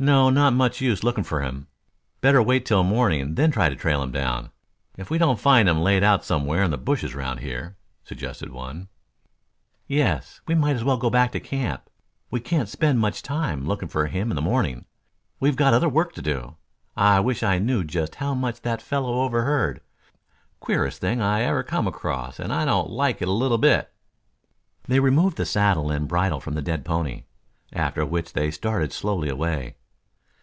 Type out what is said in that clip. "No, not much use looking for him. Better wait here till morning then try to trail him down, if we don't find him laid out somewhere in the bushes round here," suggested one. "Yes, we might as well go back to camp. We can't spend much time looking for him in the morning. We've got other work to do. I wish I knew just how much that fellow overheard. Queerest thing I ever come across, and I don't like it a little bit." They removed the saddle and bridle from the dead pony, after which they started slowly away.